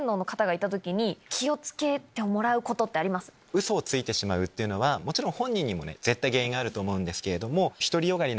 ウソをついてしまうっていうのはもちろん本人にも絶対原因があると思うんですけれども。